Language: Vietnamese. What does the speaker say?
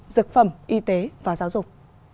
dược phẩm y tế và giáo dục